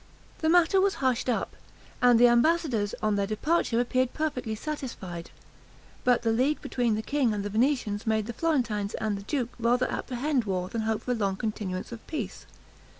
The matter was hushed up; and the ambassadors, on their departure, appeared perfectly satisfied. But the league between the king and the Venetians made the Florentines and the duke rather apprehend war than hope for a long continuance of peace.